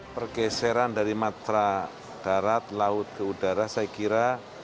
pergeseran dari matra darat laut ke udara saya kira